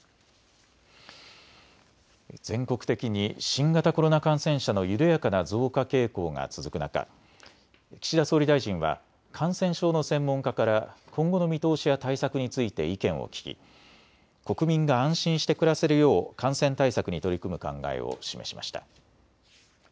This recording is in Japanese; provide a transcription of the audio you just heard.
全国的に新型コロナ感染者の緩やかな増加傾向が続く中、岸田総理大臣は感染症の専門家から今後の見通しや対策について意見を聞き国民が安心して暮らせるよう感染対策に取り組む考えを示しました。